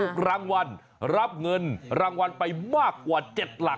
ถูกรางวัลรับเงินรางวัลไปมากกว่า๗หลัก